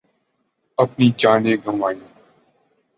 اپنی جانیں گنوائیں